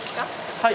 はい。